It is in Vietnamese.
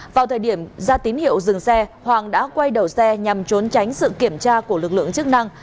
vào thời điểm ra tín hiệu dừng xe hoàng đã quay đầu xe nhằm trốn tránh sự kiểm tra của lực lượng chức năng